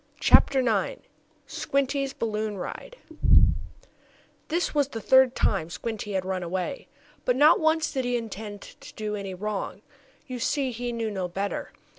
CHAPTER IX SQUINTY'S BALLOON RIDE This was the third time Squinty had run away. But not once did he intend to do any wrong; you see he knew no better.